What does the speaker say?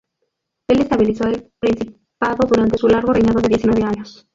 Él estabilizó el principado durante su largo reinado de diecinueve años.